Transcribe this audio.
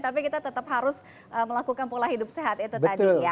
tapi kita tetap harus melakukan pola hidup sehat itu tadi ya